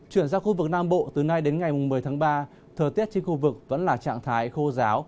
chuyển sang khu vực nam bộ từ nay đến ngày một mươi tháng ba thời tiết trên khu vực vẫn là trạng thái khô giáo